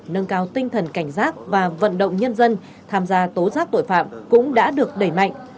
nâng cao tinh thần cảnh giác và vận động nhân dân tham gia tố giác tội phạm cũng đã được đẩy mạnh